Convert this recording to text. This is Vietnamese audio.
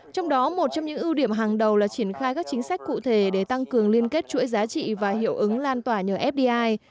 trong đó một trong những ưu điểm hàng đầu là triển khai các chính sách cụ thể để tăng cường liên kết chuỗi giá trị và hiệu ứng lan tỏa nhờ fdi